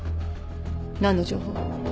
何の情報？